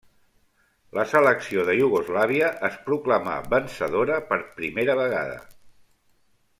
La selecció de Iugoslàvia es proclamà vencedora per primera vegada.